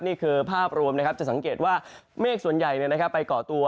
นี่คือภาพรวมนะครับจะสังเกตว่าเมฆส่วนใหญ่ไปก่อตัว